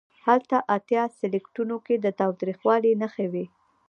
هلته اتیا سلکیټونو کې د تاوتریخوالي نښې وې.